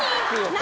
何？